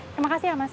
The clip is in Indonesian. terima kasih ya mas